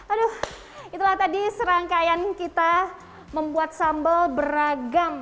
aduh itulah tadi serangkaian kita membuat sambal beragam